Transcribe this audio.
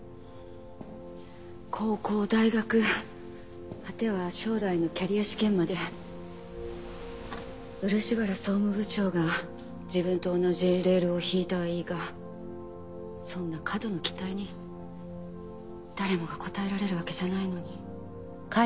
高校大学果ては将来のキャリア試験まで漆原総務部長が自分と同じレールを敷いたはいいがそんな過度な期待に誰もが応えられるわけじゃないのに。